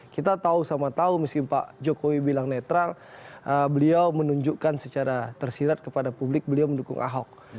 kita tahu sama tahu meskipun pak jokowi bilang netral beliau menunjukkan secara tersirat kepada publik beliau mendukung ahok